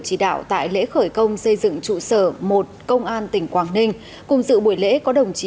chỉ đạo tại lễ khởi công xây dựng trụ sở một công an tỉnh quảng ninh cùng dự buổi lễ có đồng chí